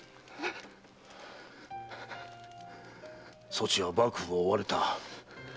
そちは幕府を追われた。